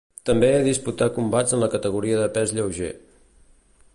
També disputà combats en la categoria de pes lleuger.